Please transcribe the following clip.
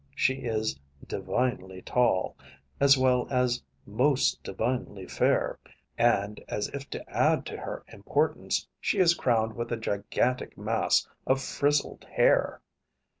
She is "divinely tall," as well as "most divinely fair," and, as if to add to her importance, she is crowned with a gigantic mass of frizzled hair.